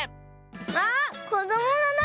あっこどものな